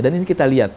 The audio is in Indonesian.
dan ini kita lihat